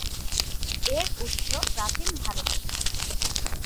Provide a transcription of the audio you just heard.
এর উৎস প্রাচীন ভারতে।